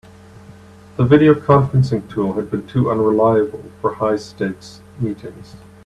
The video conferencing tool had been too unreliable for high-stakes meetings.